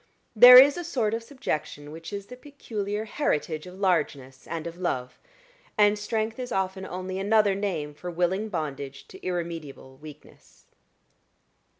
There is a sort of subjection which is the peculiar heritage of largeness and of love; and strength is often only another name for willing bondage to irremediable weakness.